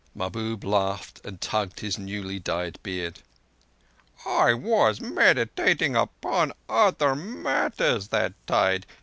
Mahbub laughed, and tugged his newly dyed beard. "I was meditating upon other matters that tide.